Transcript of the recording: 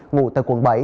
ngủ tại quận bảy